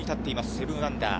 ７アンダー。